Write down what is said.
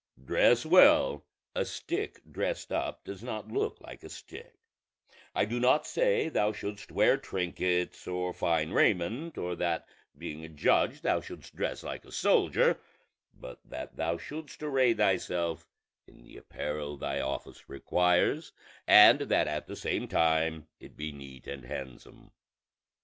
Dress well; a stick dressed up does not look like a stick: I do not say thou shouldst wear trinkets or fine raiment, or that being a judge thou shouldst dress like a soldier, but that thou shouldst array thyself in the apparel thy office requires, and that at the same time it be neat and handsome.